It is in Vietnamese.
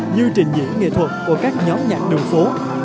như trình diễn nghệ thuật của các nhóm nhạc đường phố